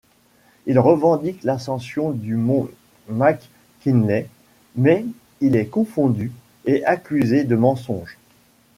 Il revendique l'ascension du mont McKinley, mais il est confondu et accusé de mensonge.